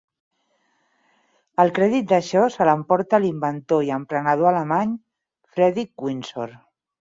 El crèdit d'això se l'emporta l'inventor i emprenedor alemany Fredrick Winsor.